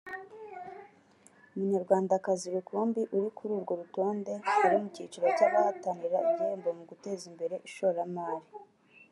Umunyarwandakazi rukumbi uri kuri urwo rutonde ari mu cyiciro cy’abahatanira igihembo mu guteza imbere ishoramari